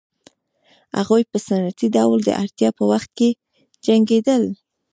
هغوی په سنتي ډول د اړتیا په وخت کې جنګېدل